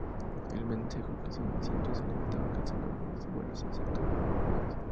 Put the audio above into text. El vencejo ceniciento se alimenta cazando al vuelo insectos voladores.